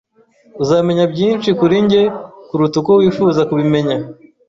Uzamenya byinshi kuri njye kuruta uko wifuza kubimenya.